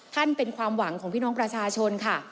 เป็นความหวังของพี่น้องประชาชนค่ะ